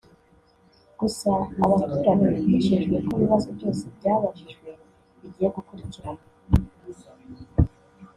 gusa abaturage bijejewe ko ibibazo byose byabajijwe bigiye gukurikiranwa